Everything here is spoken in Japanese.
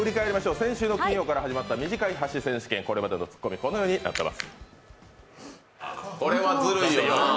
先週の金曜日から始まった短い箸選手権、これまでのツッコミ、このようになってます。